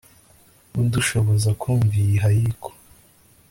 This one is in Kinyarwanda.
idushoboza kumva iyi haiku